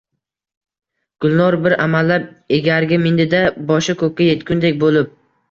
Gulnor bir amallab egarga mindi-da, boshi koʼkka yetgudek boʼlib: